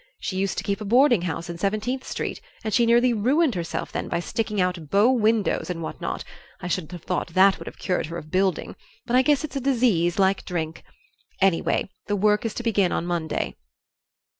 She used to keep a boarding house in Seventeenth Street, and she nearly ruined herself then by sticking out bow windows and what not; I should have thought that would have cured her of building, but I guess it's a disease, like drink. Anyhow, the work is to begin on Monday."